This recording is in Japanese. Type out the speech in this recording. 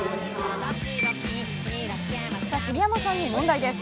杉山さんに問題です。